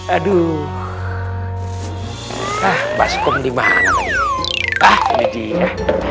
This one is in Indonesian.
aduh ah masuk dimana tadi ah ini dia